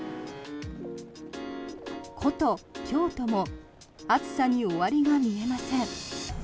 古都・京都も暑さに終わりが見えません。